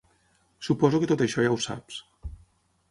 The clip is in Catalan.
Supose que tot això ja ho saps.